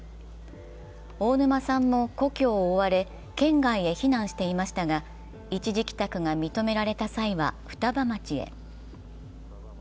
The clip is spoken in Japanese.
大沼さんも故郷を追われ県外へ避難していましたが一時帰宅が認められた際は双葉町へ。